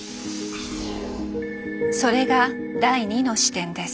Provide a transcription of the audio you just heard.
それが第２の視点です。